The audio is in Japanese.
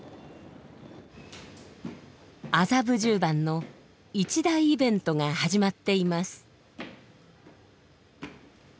麻布十番の一大イベントが始まっています。